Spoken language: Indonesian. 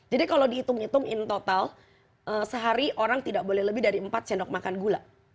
jadi kalau dihitung hitung in total sehari orang tidak boleh lebih dari empat sendok makan gula